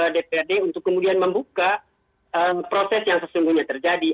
dprd untuk kemudian membuka proses yang sesungguhnya terjadi